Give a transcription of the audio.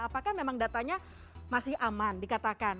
apakah memang datanya masih aman dikatakan